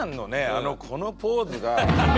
あのこのポーズが。